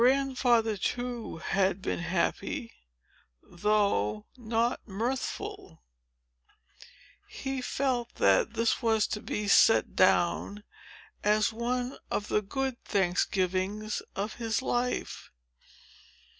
Grandfather, too, had been happy, though not mirthful. He felt that this was to be set down as one of the good Thanksgivings of his life.